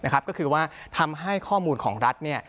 ก็คือว่าทำให้ข้อมูลของรัฐ